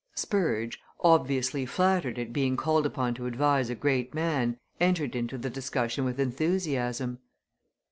Spurge, obviously flattered at being called upon to advise a great man, entered into the discussion with enthusiasm.